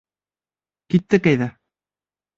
Киттек әйҙә.